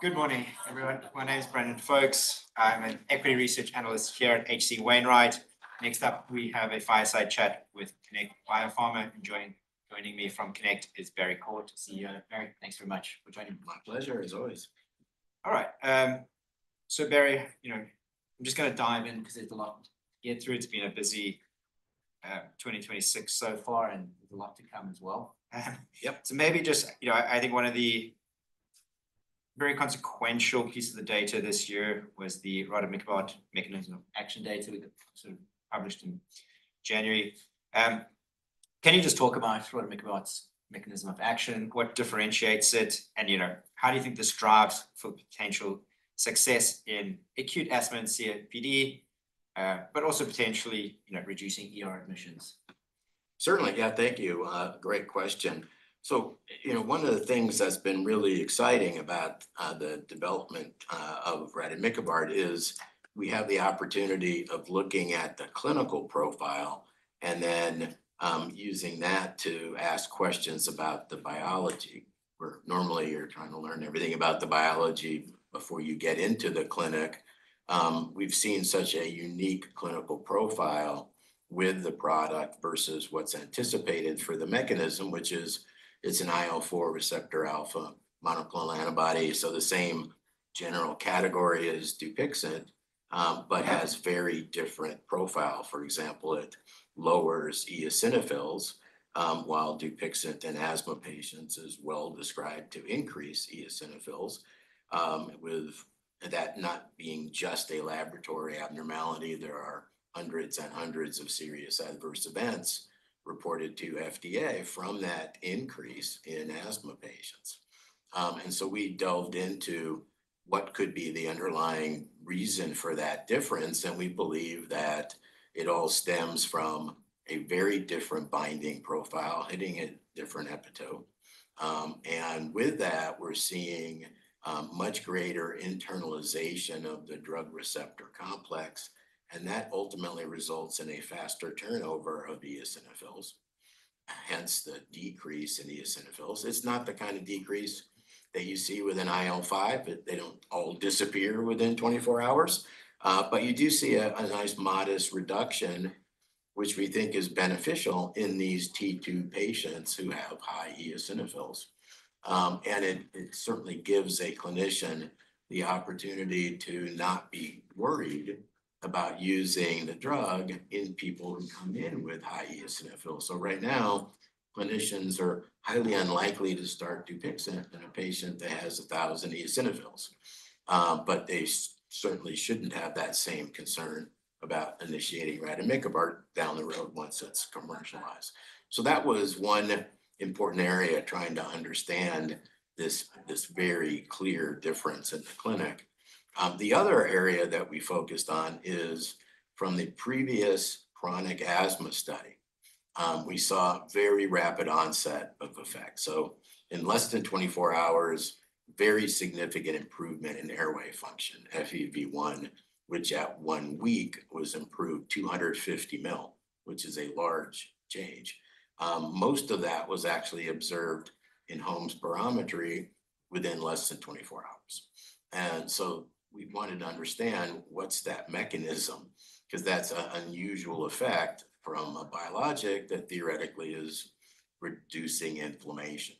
Good morning, everyone. My name is Brandon Folkes. I'm an equity research analyst here at H.C. Wainwright. Next up, we have a fireside chat with Connect Biopharma. Joining me from Connect is Barry Quart, CEO. Barry, thanks very much for joining me. My pleasure, as always. All right. Barry Quart, you know, I'm just gonna dive in because there's a lot to get through. It's been a busy 2026 so far, and there's a lot to come as well. Yep. Maybe just, you know, I think one of the very consequential pieces of data this year was the rademikibart mechanism of action data that sort of published in January. Can you just talk about rademikibart's mechanism of action, what differentiates it, and, you know, how do you think this drives for potential success in acute asthma and COPD, but also potentially, you know, reducing ER admissions? Certainly, yeah. Thank you. Great question. You know, one of the things that's been really exciting about the development of rademikibart is we have the opportunity of looking at the clinical profile and then using that to ask questions about the biology, where normally you're trying to learn everything about the biology before you get into the clinic. We've seen such a unique clinical profile with the product versus what's anticipated for the mechanism, which is it's an IL-4 receptor alpha monoclonal antibody. The same general category as DUPIXENT, but has very different profile. For example, it lowers eosinophils, while DUPIXENT in asthma patients is well described to increase eosinophils, with that not being just a laboratory abnormality. There are hundreds and hundreds of serious adverse events reported to FDA from that increase in asthma patients. We delved into what could be the underlying reason for that difference, and we believe that it all stems from a very different binding profile hitting a different epitope. With that, we're seeing much greater internalization of the drug receptor complex, and that ultimately results in a faster turnover of eosinophils, hence the decrease in eosinophils. It's not the kind of decrease that you see with an IL-5. They don't all disappear within 24 hours. You do see a nice modest reduction, which we think is beneficial in these T-2 patients who have high eosinophils. It certainly gives a clinician the opportunity to not be worried about using the drug in people who come in with high eosinophils. Right now, clinicians are highly unlikely to start DUPIXENT in a patient that has a 1,000 eosinophils. But they certainly shouldn't have that same concern about initiating rademikibart down the road once it's commercialized. That was one important area trying to understand this very clear difference in the clinic. The other area that we focused on is from the previous chronic asthma study. We saw very rapid onset of effect. In less than 24 hours, very significant improvement in airway function, FEV1, which at 1 week was improved 250 mil, which is a large change. Most of that was actually observed in home spirometry within less than 24 hours. We wanted to understand what's that mechanism, 'cause that's an unusual effect from a biologic that theoretically is reducing inflammation.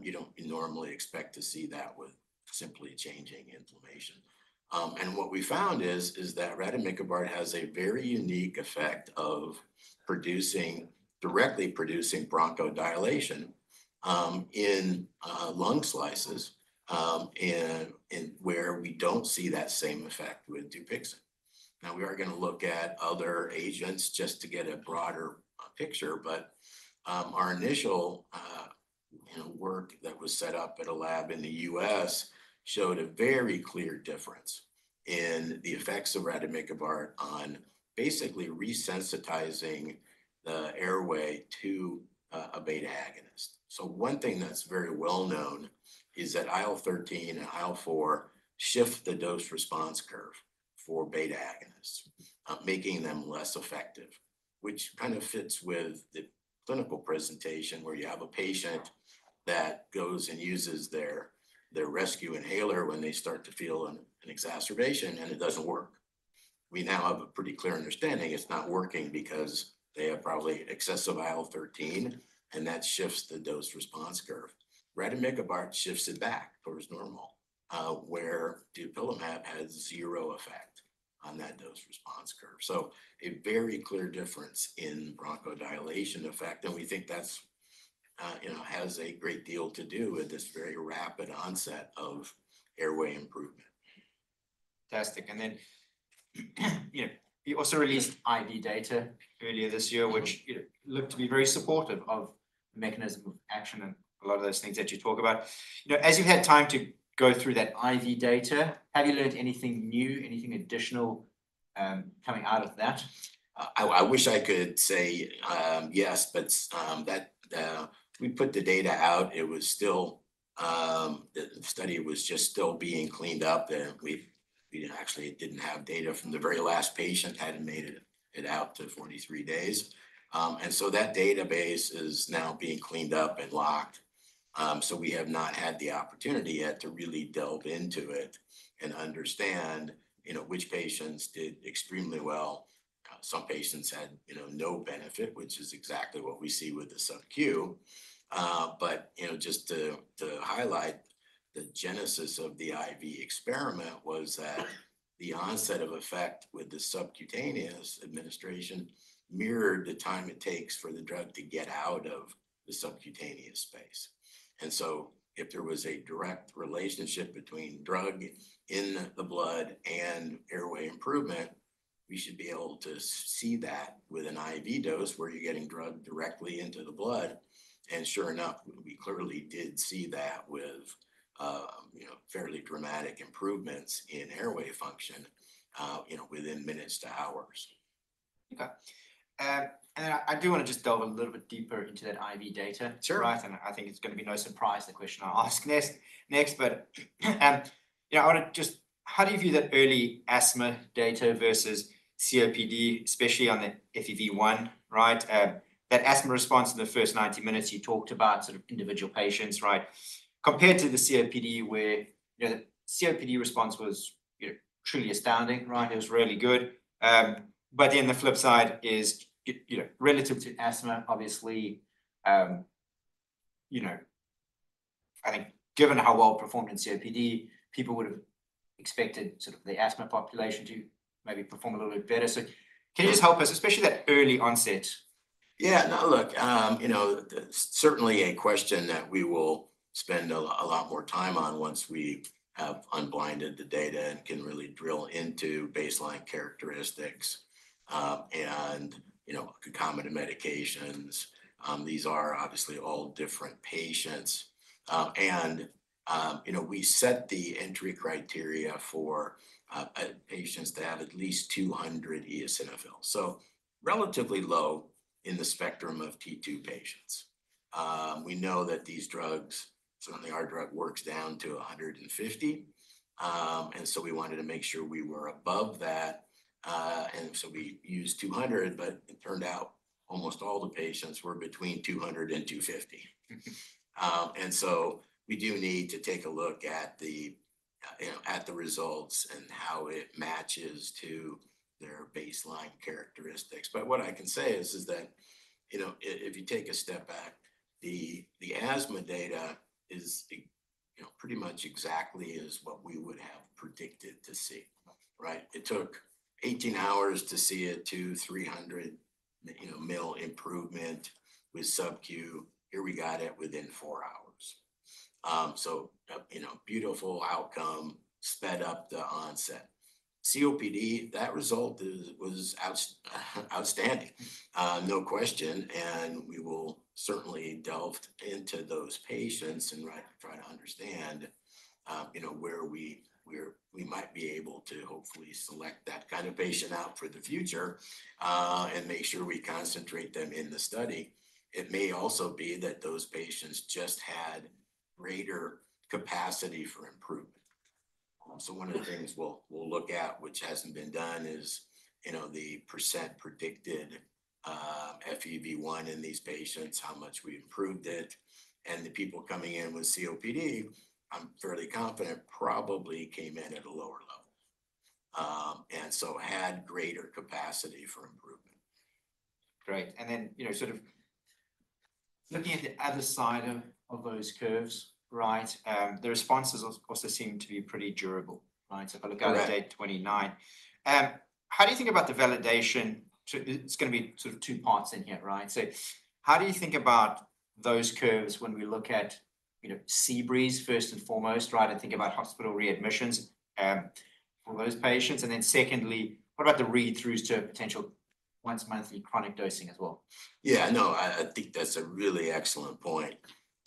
You don't normally expect to see that with simply changing inflammation. What we found is that rademikibart has a very unique effect of directly producing bronchodilation in lung slices, where we don't see that same effect with DUPIXENT. We are gonna look at other agents just to get a broader picture. Our initial, you know, work that was set up at a lab in the U.S. showed a very clear difference in the effects of rademikibart on basically resensitizing the airway to a beta-agonist. One thing that's very well known is that IL-13 and IL-4 shift the dose response curve for beta-agonists, making them less effective, which kind of fits with the clinical presentation where you have a patient that goes and uses their rescue inhaler when they start to feel an exacerbation, and it doesn't work. We now have a pretty clear understanding it's not working because they have probably excessive IL-13. That shifts the dose response curve. Rademikibart shifts it back towards normal, where dupilumab has zero effect on that dose response curve. A very clear difference in bronchodilation effect, and we think that's, you know, has a great deal to do with this very rapid onset of airway improvement. Fantastic. You know, you also released IV data earlier this year, which, you know, looked to be very supportive of the mechanism of action and a lot of those things that you talk about. You know, as you had time to go through that IV data, have you learned anything new, anything additional, coming out of that? I wish I could say yes, but that we put the data out. The study was just still being cleaned up, and We actually didn't have data from the very last patient hadn't made it out to 43 days. That database is now being cleaned up and locked. We have not had the opportunity yet to really delve into it and understand, you know, which patients did extremely well. Some patients had, you know, no benefit, which is exactly what we see with the sub-Q. You know, just to highlight the genesis of the IV experiment was that the onset of effect with the subcutaneous administration mirrored the time it takes for the drug to get out of the subcutaneous space. If there was a direct relationship between drug in the blood and airway improvement, we should be able to see that with an IV dose where you're getting drug directly into the blood. Sure enough, we clearly did see that with, you know, fairly dramatic improvements in airway function, you know, within minutes to hours. Okay. I do want to just delve a little bit deeper into that IV data. Sure. Right? I think it's gonna be no surprise the question I'll ask next. you know, I wanna just how do you view that early asthma data versus COPD, especially on the FEV1, right? That asthma response in the first 90 minutes you talked about sort of individual patients, right? Compared to the COPD where, you know, the COPD response was, you know, truly astounding, right? It was really good. The flip side is it, you know, relative to asthma obviously, you know, I think given how well it performed in COPD, people would've expected sort of the asthma population to maybe perform a little bit better. Can you just help us, especially that early onset? Yeah, no, look, you know, certainly a question that we will spend a lot more time on once we have unblinded the data and can really drill into baseline characteristics, and you know, concomitant medications. These are obviously all different patients. And, you know, we set the entry criteria for patients to have at least 200 eosinophils. Relatively low in the spectrum of Type 2 patients. We know that these drugs, certainly our drug works down to 150. We wanted to make sure we were above that. We used 200, but it turned out almost all the patients were between 200 and 250. We do need to take a look at the, you know, at the results and how it matches to their baseline characteristics. What I can say is that, you know, if you take a step back, the asthma data is, you know, pretty much exactly is what we would have predicted to see, right? It took 18 hours to see a 200, 300, you know, ml improvement with sub-Q. Here we got it within four hours. You know, beautiful outcome, sped up the onset. COPD, that result was outstanding. No question, we will certainly delve into those patients and try to understand, you know, where we might be able to hopefully select that kind of patient out for the future, and make sure we concentrate them in the study. It may also be that those patients just had greater capacity for improvement. One of the things we'll look at which hasn't been done is, you know, the percent predicted FEV1 in these patients, how much we improved it, and the people coming in with COPD, I'm fairly confident probably came in at a lower level. Had greater capacity for improvement. Great. you know, sort of looking at the other side of those curves, right? The responses of course seem to be pretty durable, right? Correct. If I look out at day 29, how do you think about the validation? It's gonna be sort of two parts in here, right? How do you think about those curves when we look at, you know, SEABREEZE first and foremost, right? I think about hospital readmissions for those patients. Secondly, what about the read-throughs to potential once-monthly chronic dosing as well? I think that's a really excellent point.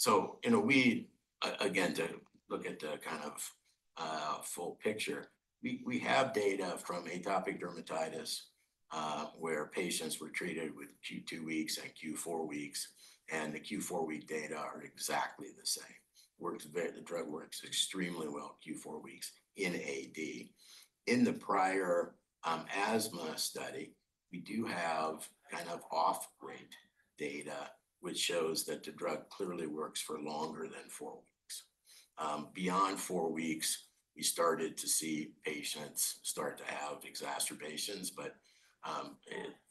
You know, again, to look at the kind of full picture, we have data from atopic dermatitis where patients were treated with Q 2 weeks and Q four weeks, and the Q four-week data are exactly the same. The drug works extremely well Q four weeks in AD. In the prior asthma study, we do have kind of off-grade data which shows that the drug clearly works for longer than four weeks. Beyond four weeks, we started to see patients start to have exacerbations, but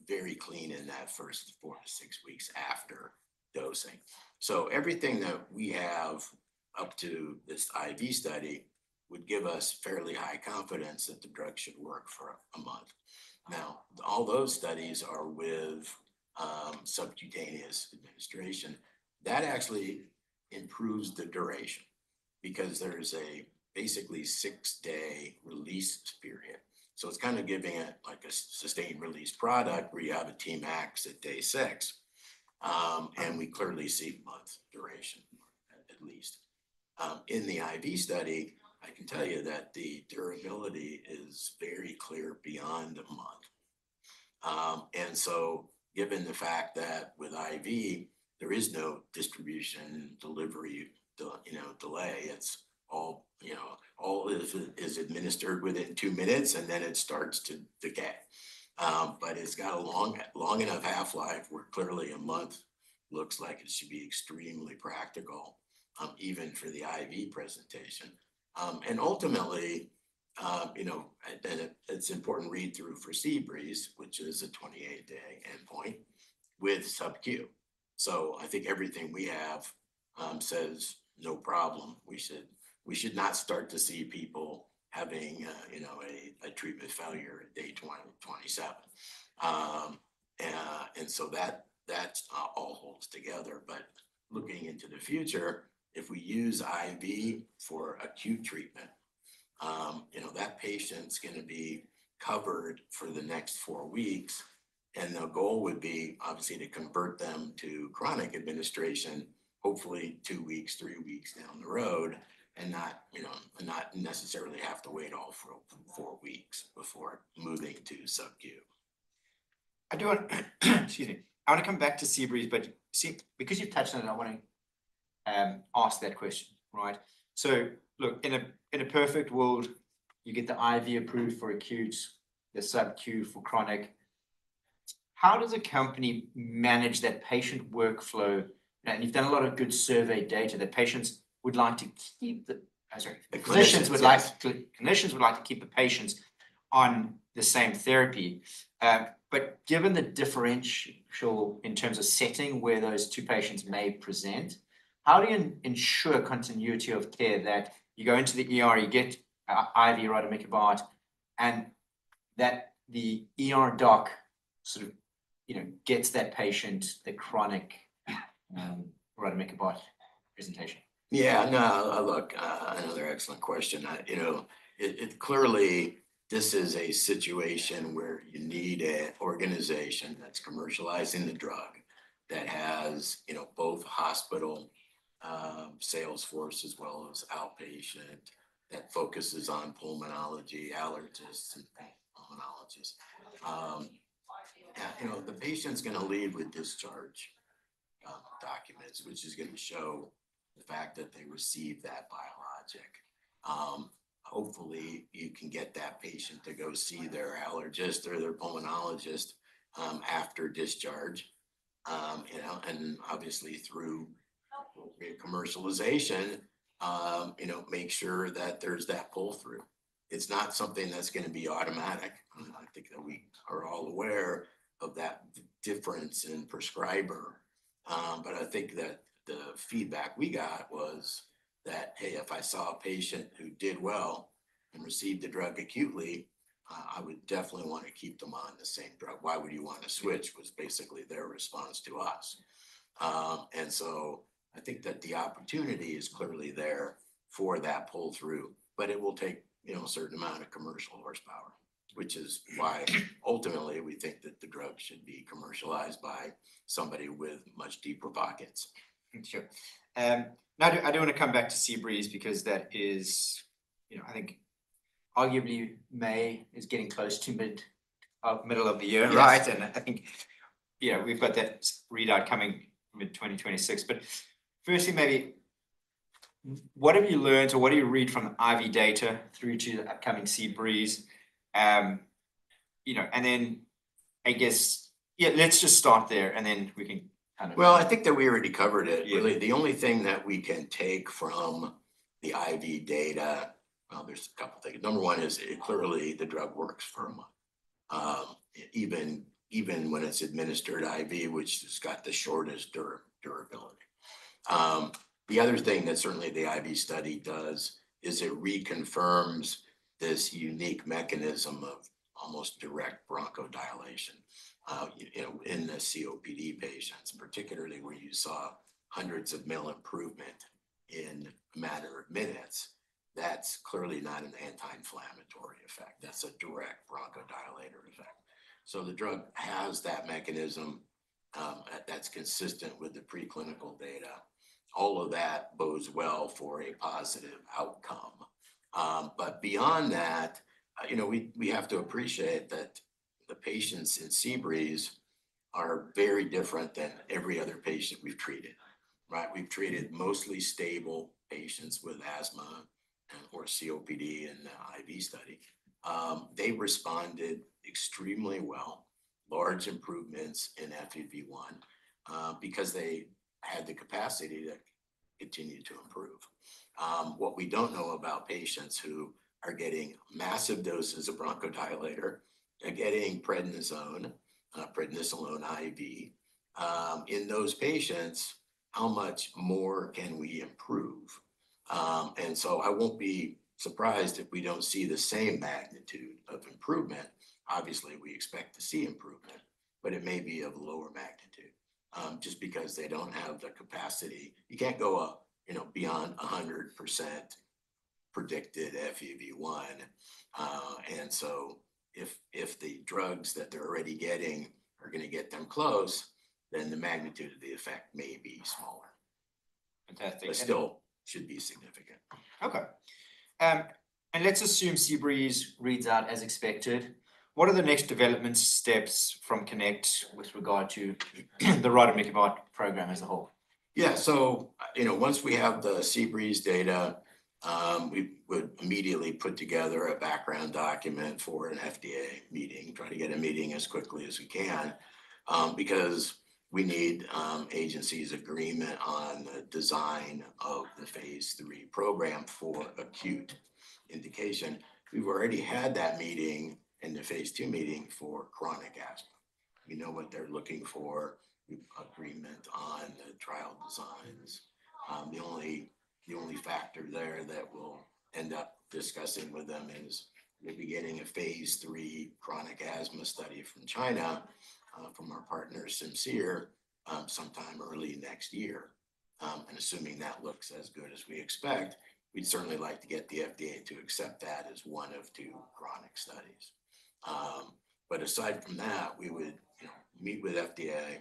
very clean in that first four to six weeks after dosing. Everything that we have up to this IV study would give us fairly high confidence that the drug should work for a month. All those studies are with subcutaneous administration. That actually improves the duration because there's a basically six-day release period. It's kind of giving it like a sustained release product where you have a Tmax at day six. We clearly see months duration at least. In the IV study, I can tell you that the durability is very clear beyond a month. Given the fact that with IV there is no distribution delivery delay, it's all, you know, all is administered within two minutes, and then it starts to decay. It's got a long enough half-life where clearly a month looks like it should be extremely practical, even for the IV presentation. Ultimately, you know, it's important read through for SEABREEZE, which is a 28-day endpoint with sub-Q. I think everything we have says no problem. We should not start to see people having, you know, a treatment failure at day 27. That all holds together. Looking into the future, if we use IV for acute treatment, you know, that patient's gonna be covered for the next four weeks. The goal would be obviously to convert them to chronic administration, hopefully two weeks, three weeks down the road, and not, you know, not necessarily have to wait all four weeks before moving to sub-Q. I do want excuse me. I wanna come back to SEABREEZE, but see, because you've touched on it, I wanna ask that question, right? Look, in a perfect world, you get the IV approved for acute, the sub-Q for chronic. How does a company manage that patient workflow? You've done a lot of good survey data. The clinicians. The clinicians would like to keep the patients on the same therapy. Given the differential in terms of setting where those two patients may present, how do you ensure continuity of care that you go into the ER, you get an IV rademikibart, and that the ER doc sort of, you know, gets that patient the chronic, rademikibart presentation? Clearly this is a situation where you need an organization that's commercializing the drug, that has both hospital sales force as well as outpatient, that focuses on pulmonology, allergists and pulmonologists. The patient's going to leave with discharge documents, which is going to show the fact that they received that biologic. Hopefully you can get that patient to go see their allergist or their pulmonologist after discharge. Obviously through commercialization, make sure that there's that pull-through. It's not something that's going to be automatic. I think that we are all aware of that difference in prescriber. I think that the feedback we got was that, "Hey, if I saw a patient who did well and received the drug acutely, I would definitely wanna keep them on the same drug. Why would you wanna switch?" Was basically their response to us. I think that the opportunity is clearly there for that pull-through, but it will take, you know, a certain amount of commercial horsepower, which is why ultimately we think that the drug should be commercialized by somebody with much deeper pockets. Sure. Now I do wanna come back to SEABREEZE because that is, you know, I think arguably May is getting close to middle of the year, right? Yes. I think, you know, we've got that readout coming mid-2026. Firstly, maybe what have you learned or what do you read from the IV data through to the upcoming SEABREEZE? You know, then I guess, let's just start there. Well, I think that we already covered it. Yeah. Really, the only thing that we can take from the IV data. Well, there's two things. Number one is clearly the drug works for a month, even when it's administered IV, which has got the shortest durability. The other thing that certainly the IV study does is it reconfirms this unique mechanism of almost direct bronchodilation, you know, in the COPD patients, particularly where you saw hundreds of mL improvement in a matter of minutes. That's clearly not an anti-inflammatory effect. That's a direct bronchodilator effect. The drug has that mechanism that's consistent with the preclinical data. All of that bodes well for a positive outcome. Beyond that, you know, we have to appreciate that the patients in SEABREEZE are very different than every other patient we've treated, right? We've treated mostly stable patients with asthma or COPD in the IV study. They responded extremely well, large improvements in FEV1, because they had the capacity to continue to improve. What we don't know about patients who are getting massive doses of bronchodilator, are getting prednisone, prednisolone IV, in those patients, how much more can we improve? I won't be surprised if we don't see the same magnitude of improvement. Obviously, we expect to see improvement, but it may be of lower magnitude, just because they don't have the capacity. You can't go up, you know, beyond 100% predicted FEV1. If the drugs that they're already getting are gonna get them close, then the magnitude of the effect may be smaller. Fantastic Still should be significant. Okay. Let's assume SEABREEZE reads out as expected. What are the next development steps from Connect with regard to the rademikibart program as a whole? You know, once we have the SEABREEZE data, we would immediately put together a background document for an FDA meeting, try to get a meeting as quickly as we can, because we need agency's agreement on the design of the phase III program for acute indication. We've already had that meeting in the phase II meeting for chronic asthma. We know what they're looking for, we've agreement on the trial designs. The only factor there that we'll end up discussing with them is the beginning of phase III chronic asthma study from China, from our partner, Simcere, sometime early next year. Assuming that looks as good as we expect, we'd certainly like to get the FDA to accept that as one of two chronic studies. Aside from that, we would, you know, meet with FDA,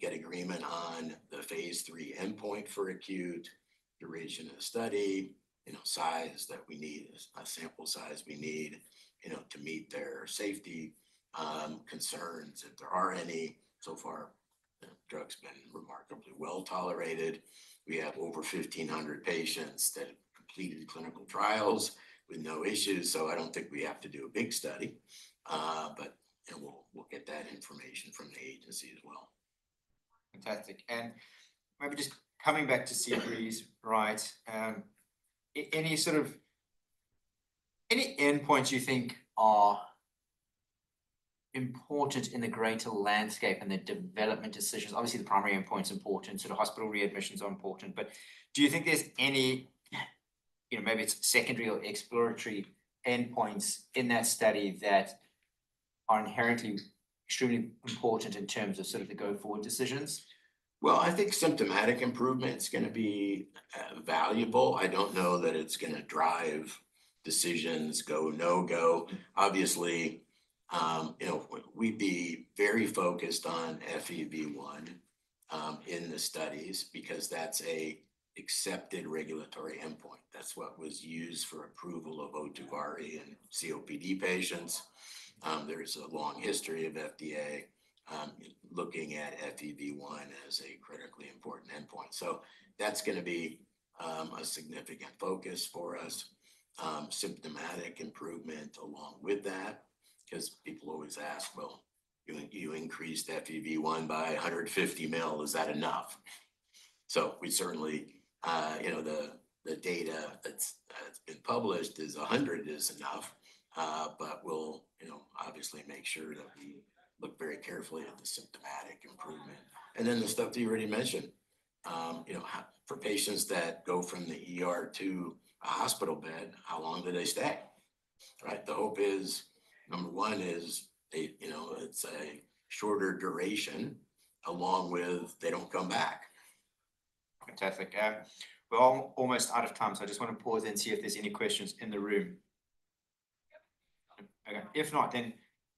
get agreement on the phase III endpoint for acute, duration of study, you know, size that we need, a sample size we need, you know, to meet their safety concerns if there are any. So far, the drug's been remarkably well-tolerated. We have over 1,500 patients that have completed clinical trials with no issues, so I don't think we have to do a big study. And we'll get that information from the agency as well. Fantastic. Maybe just coming back to SEABREEZE, right? Any sort of, any endpoints you think are important in the greater landscape and the development decisions? Obviously, the primary endpoint's important, the hospital readmissions are important. Do you think there's any, you know, maybe it's secondary or exploratory endpoints in that study that are inherently extremely important in terms of sort of the go forward decisions? Well, I think symptomatic improvement's gonna be valuable. I don't know that it's gonna drive decisions go, no-go. Obviously, you know, we'd be very focused on FEV1 in the studies because that's a accepted regulatory endpoint. That's what was used for approval of OHTUVAYRE in COPD patients. There's a long history of FDA looking at FEV1 as a critically important endpoint. That's gonna be a significant focus for us. Symptomatic improvement along with that because people always ask, "Well, you increased FEV1 by 150 mil. Is that enough?" We certainly, you know, the data that's been published is 100 is enough. We'll, you know, obviously make sure that we look very carefully at the symptomatic improvement. The stuff that you already mentioned, you know, for patients that go from the ER to a hospital bed, how long do they stay? Right. The hope is, number one is they, you know, it's a shorter duration along with they don't come back. Fantastic. We're almost out of time, I just wanna pause and see if there's any questions in the room. Okay. If not, you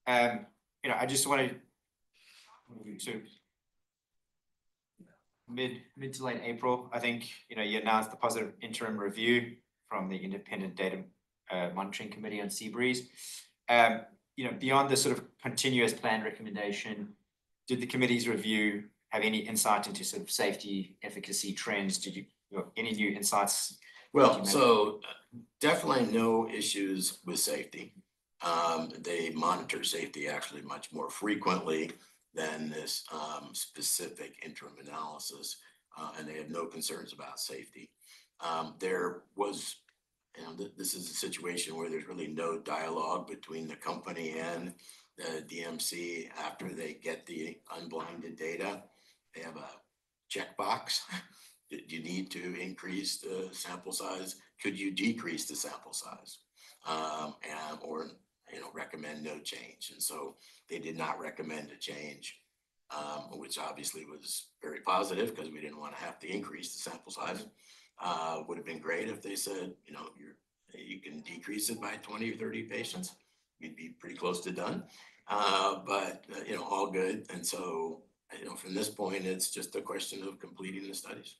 know, I just wanna move to mid to late April, I think, you know, you announced the positive interim review from the independent data monitoring committee on SEABREEZE. You know, beyond the sort of continuous plan recommendation, did the committee's review have any insight into sort of safety efficacy trends? Did you know, any new insights that you mentioned? Definitely no issues with safety. They monitor safety actually much more frequently than this specific interim analysis. They had no concerns about safety. You know, this is a situation where there's really no dialogue between the company and the DMC after they get the unblinded data. They have a checkbox. Do you need to increase the sample size? Could you decrease the sample size? Or, you know, recommend no change. They did not recommend a change, which obviously was very positive because we didn't wanna have to increase the sample size. Would have been great if they said, you know, you can decrease it by 20 or 30 patients. We'd be pretty close to done. You know, all good. You know, from this point, it's just a question of completing the studies.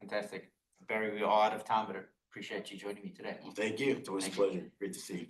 Fantastic. Barry, we are out of time, I appreciate you joining me today. Well, thank you. Thank you. It was a pleasure. Great to see you.